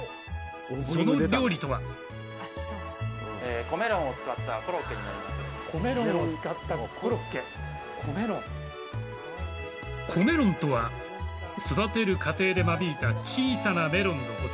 その料理とは子メロンとは育てる過程で間引いた小さなメロンのこと。